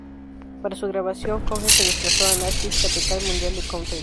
Para su grabación, Cohen se desplazó a Nashville, capital mundial del country.